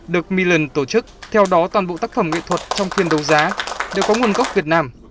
được milan tổ chức theo đó toàn bộ tác phẩm nghệ thuật trong phiên đấu giá đều có nguồn gốc việt nam